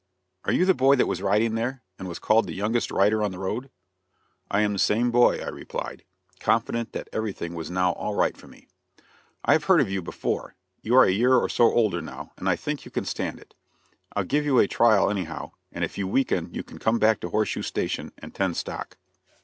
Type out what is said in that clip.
are you the boy that was riding there, and was called the youngest rider on the road?" "I am the same boy," I replied, confident that everything was now all right for me. "I have heard of you before. You are a year or so older now, and I think you can stand it. I'll give you a trial anyhow and if you weaken you can come back to Horseshoe Station and tend stock."